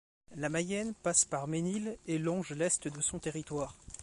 La Mayenne passe par Ménil et longe l'est de son territoire.